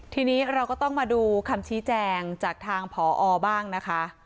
ทีนี้เราก็ต้องมาดูคำชี้แจงจากทางผอบ้างนะคะ